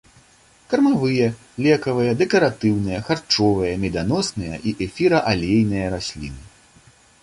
Кармавыя, лекавыя, дэкаратыўныя, харчовыя, меданосныя і эфіраалейныя расліны.